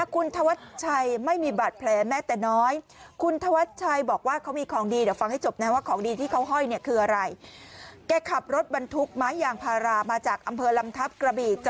คุณธวัดชัยแกไม่เป็นอะไรเลยคุณดูสภาพรถสิค่ะ